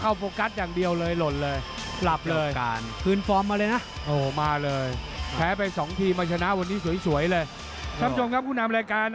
โฟกัสอย่างเดียวเลยหล่นเลยหลับเลย